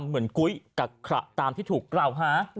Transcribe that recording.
เหมือนกุ๊ยกักขระตามที่ถูกกล่าว